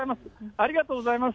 ありがとうございます。